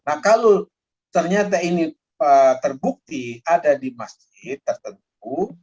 nah kalau ternyata ini terbukti ada di masjid tertentu